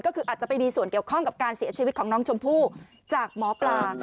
ก็คืออาจจะไปมีส่วนเกี่ยวข้องกับการเสียชีวิตของน้องชมพู่จากหมอปลา